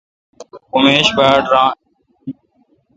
اوں میش باڑ ران۔